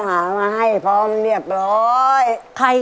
หามาให้พร้อมเรียบร้อย